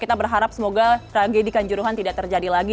kita berharap semoga tragedi kanjuruhan tidak terjadi lagi